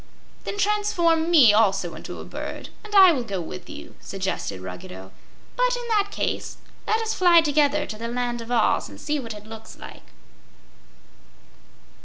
"Then transform me, also, into a bird, and I will go with you," suggested Ruggedo. "But, in that case, let us fly together to the Land of Oz, and see what it looks like."